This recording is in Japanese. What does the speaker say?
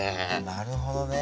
なるほどね。